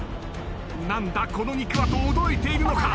「何だこの肉は？」と驚いているのか？